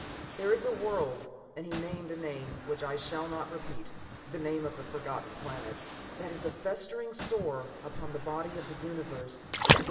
"There is a world" and he named a name which I shall not repeat, the name of the Forgotten Planet "that is a festering sore upon the body of the Universe.